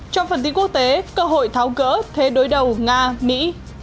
trong phần tiếng quốc tế cơ hội tháo cỡ thế đối đầu nga mỹ